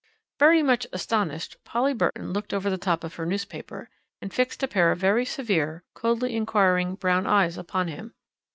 Very much astonished Polly Burton looked over the top of her newspaper, and fixed a pair of very severe, coldly inquiring brown eyes upon him.